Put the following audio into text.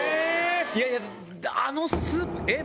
いやいやあのスープえっ